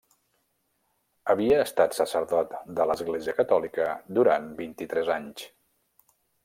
Havia estat sacerdot de l'Església catòlica durant vint-i-tres anys.